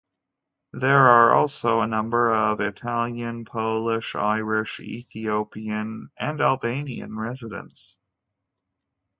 There are also a number of Italian, Polish, Irish, Ethiopian and Albanian residents.